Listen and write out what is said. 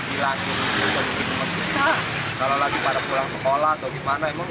biasanya sekarang aja sepi gitu